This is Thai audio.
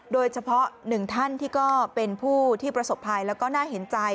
โดยเฉพาะหนึ่งท่านที่ก็เป็นผู้ที่ประสบภัยแล้วก็น่าเห็นใจ